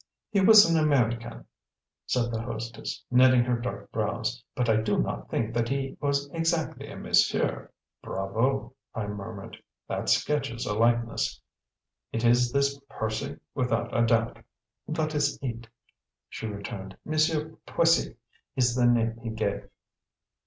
"He was an American," said the hostess, knitting her dark brows "but I do not think that he was exactly a monsieur." "Bravo!" I murmured. "That sketches a likeness. It is this 'Percy' without a doubt." "That is it," she returned. "Monsieur Poissy is the name he gave."